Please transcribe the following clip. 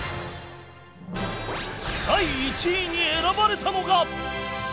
第１位に選ばれたのが